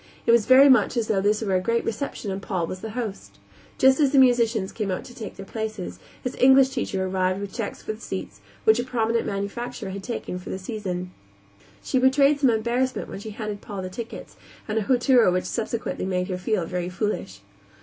It was very much as though this were a great reception and Paul were the host. Just as the musicians came out to take their places, his English teacher arrived with checks for the seats which a prominent manufacturer had taken for the season. She betrayed some embarrassment when she handed Paul the tickets, and a hauteur which subsequently made her feel very foolish.